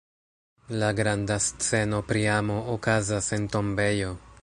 La granda sceno pri amo, okazas en tombejo!